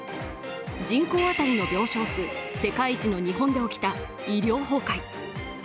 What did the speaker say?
人口当たりの病床数世界一の日本で起きた医療崩壊。